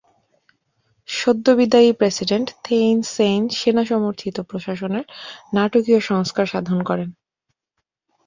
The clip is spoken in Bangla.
সদ্য বিদায়ী প্রেসিডেন্ট থেইন সেইন সেনাসমর্থিত প্রশাসনের নাটকীয় সংস্কার সাধন করেন।